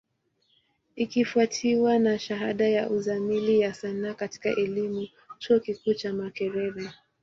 Ikifwatiwa na shahada ya Uzamili ya Sanaa katika elimu, chuo kikuu cha Makerere.